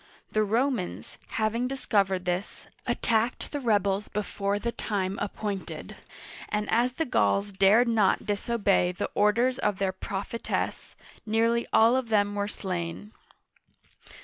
The Romans, having discovered this, attacked the rebels before the time appointed, and as the Gauls dared not disobey the orders of their prophetess, nearly all of them were slain.